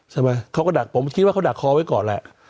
ผมคิดว่าเขาก็ดักคอไว้ก่อนแหละ